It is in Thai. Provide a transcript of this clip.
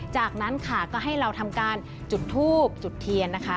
จากนั้นค่ะก็ให้เราทำการจุดทูบจุดเทียนนะคะ